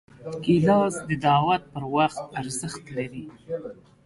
ګیلاس د دعوت پر وخت ارزښت لري.